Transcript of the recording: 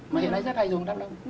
mà hiện nay rất hay dùng đắp lông